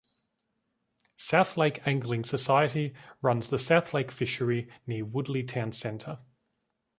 Southlake Angling Society runs the Southlake fishery near Woodley town centre.